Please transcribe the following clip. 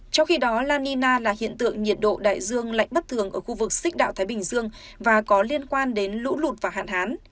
trong khi đó la nina là hiện tượng nhiệt độ đại dương lạnh bất thường ở khu vực xích đạo thái bình dương và có liên quan đến lũ lụt và hạn hán